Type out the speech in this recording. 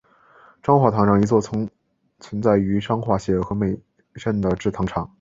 彰化糖厂一座曾存在于彰化县和美镇的制糖工厂。